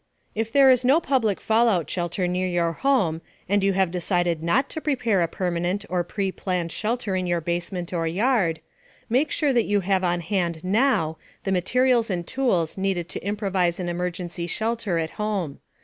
If there is no public fallout shelter near your home and you have decided not to prepare a permanent or preplanned shelter in your basement or yard, make sure that you have on hand now the materials and tools needed to improvise an emergency shelter at home.